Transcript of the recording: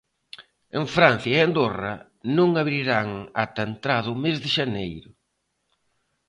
En Francia e Andorra non abrirán ata entrado o mes de xaneiro.